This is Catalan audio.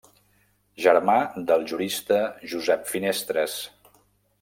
Germà del jurista Josep Finestres.